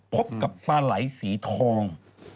พบกับปลาไหลสีทอง